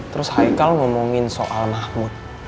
terus haikal ngomongin soal mahmud